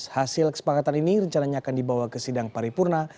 hasil kesepakatan ini rencananya akan dibawa ke sidang paripurna